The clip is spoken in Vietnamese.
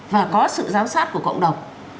và có sự giám sát của cộng đồng